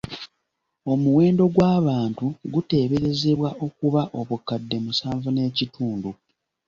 Omuwendo gw’abantu guteeberezebwa okuba obukadde musanvu n’ekitundu.